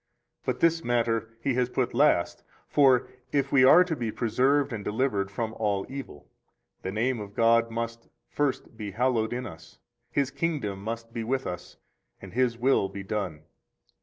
118 But this matter He has put last; for if we are to be preserved and delivered from all evil, the name of God must first be hallowed in us, His kingdom must be with us, and His will be done.